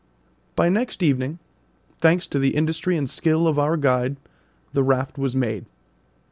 By next evening, thanks to the industry and skill of our guide, the raft was made.